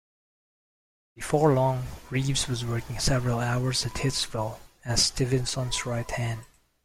Before long, Reeves was working several hours at Hitsville as Stevenson's right hand.